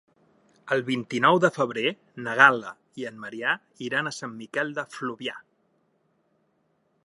El vint-i-nou de febrer na Gal·la i en Maria iran a Sant Miquel de Fluvià.